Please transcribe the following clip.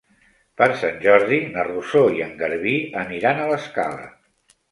Per Sant Jordi na Rosó i en Garbí aniran a l'Escala.